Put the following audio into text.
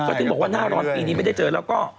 ถึงบอกว่าหน้าร้อนปีนี้ไม่ได้เจอแล้วก็